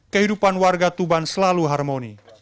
kehidupan warga tuban selalu harmoni